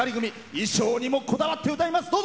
衣装にも、こだわって歌います。